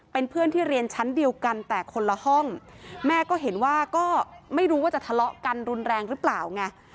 เป็นเพื่อนที่เรียนชั้นเดียวกันแต่คนละห้องแม่ก็เห็นว่าก็ไม่รู้ว่าจะทะเลาะกันรุนแรงหรือเปล่าไง